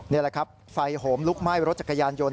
นี่แหละครับไฟโหมลุกไหม้รถจักรยานยนต